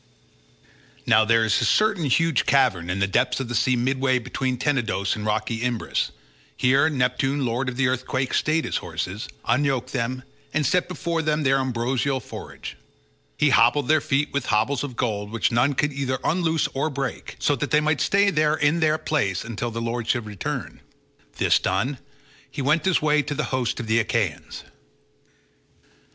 Now there is a certain huge cavern in the depths of the sea midway between Tenedos and rocky Imbrus; here Neptune lord of the earthquake stayed his horses, unyoked them, and set before them their ambrosial forage. He hobbled their feet with hobbles of gold which none could either unloose or break, so that they might stay there in that place until their lord should return. This done he went his way to the host of the Achaeans.